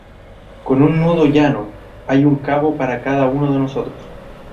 con un nudo llano. hay un cabo para cada uno de nosotros